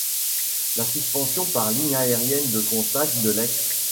La suspension par ligne aérienne de contact de l'ex.